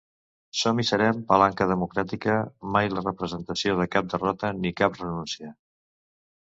Som i serem palanca democràtica, mai la representació de cap derrota ni cap renúncia.